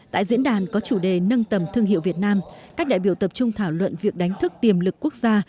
tại diễn đàn có chủ đề nâng tầm thương hiệu việt nam các đại biểu tập trung thảo luận việc đánh thức tiềm lực quốc gia